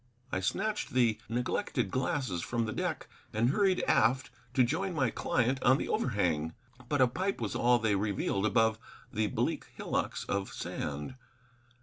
I snatched the neglected glasses from the deck and hurried aft to join my client on the overhang, but a pipe was all they revealed above the bleak hillocks of sand.